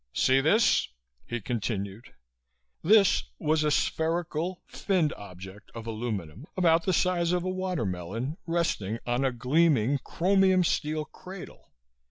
See this!" he continued. "This" was a spherical, finned object of aluminum about the size of a watermelon, resting on a gleaming chromium steel cradle.